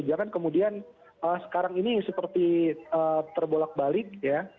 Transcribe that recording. jangan kemudian sekarang ini seperti terbolak balik ya